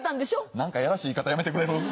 何かやらしい言い方やめてくれる？